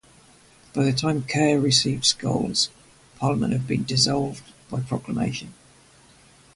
By the time Kerr received Scholes, Parliament had been dissolved by proclamation.